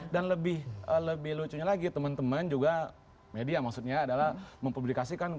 dan lebih lucunya lagi teman teman juga media maksudnya adalah mempublikasikan